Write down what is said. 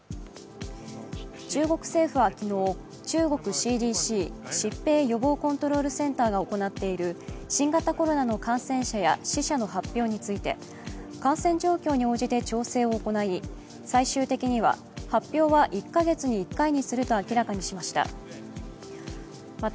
中国政府は昨日、中国ＣＤＣ＝疾病対策センターが行っている新型コロナの感染者や死者の発表について感染状況に応じて調整を行い、最終的には発表は１か月に１回にすると明らかにしました。